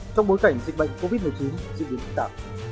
trong bối cảnh dịch bệnh covid một mươi chín dịch bệnh bắt tạm